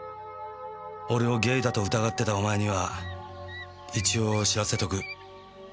「俺をゲイだと疑ってたお前には一応知らせとく」